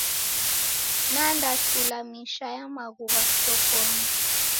Nanda tula misha ya maghuw'a shokonyi.